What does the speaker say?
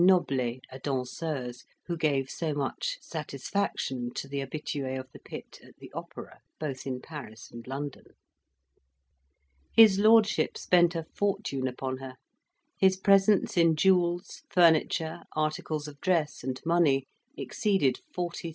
Noblet, a danseuse, who gave so much satisfaction to the habitues of the pit at the opera, both in Paris and London. His lordship spent a fortune upon her; his presents in jewels, furniture, articles of dress, and money, exceeded 40,000£.